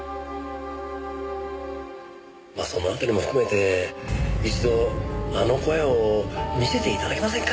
そのあたりも含めて一度あの小屋を見せて頂けませんか？